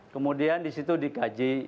kemudian disitu dikaji